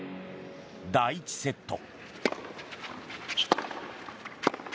第１セット。